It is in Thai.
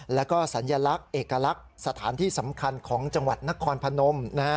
แล้วก็สัญลักษณ์เอกลักษณ์สถานที่สำคัญของจังหวัดนครพนม